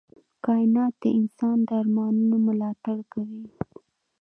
کائنات د انسان د ارمانونو ملاتړ کوي.